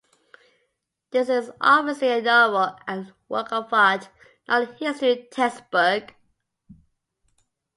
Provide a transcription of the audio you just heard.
This is obviously a novel and work of art- not a history textbook.